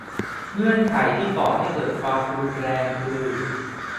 เงื่อนไขที่ก่อให้เกิดความรุนแรง คือ